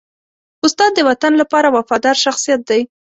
استاد د وطن لپاره وفادار شخصیت دی.